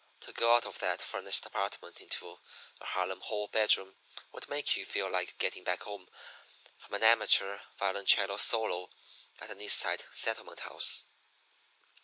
To go out of that furnished apartment into a Harlem hall bedroom would make you feel like getting back home from an amateur violoncello solo at an East Side Settlement house.